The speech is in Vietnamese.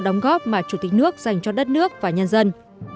đóng góp mà chủ tịch nước dành cho đất nước và nhân dân